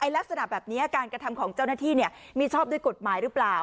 ลักษณะแบบนี้การกระทำของเจ้าหน้าที่มีชอบด้วยกฎหมายหรือเปล่า